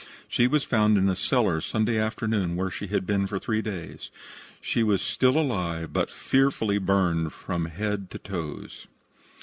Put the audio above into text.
She was found in a cellar Saturday afternoon, where she had been for three days. She was still alive, but fearfully burned from head to toes.